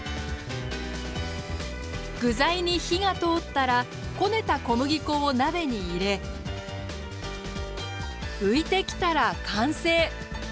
具材に火が通ったらこねた小麦粉を鍋に入れ浮いてきたら完成。